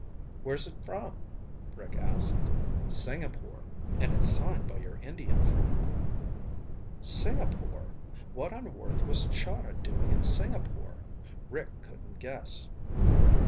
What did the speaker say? "Where's it from?" Rick asked. "Singapore. And it's signed by your Indian friend." Singapore! What on earth was Chahda doing in Singapore? Rick couldn't guess.